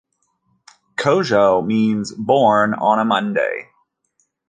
Kojo means born on a Monday.